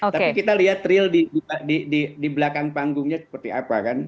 tapi kita lihat real di belakang panggungnya seperti apa kan